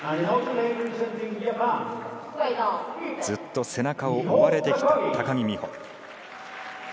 ずっと背中を追われてきた高木美帆。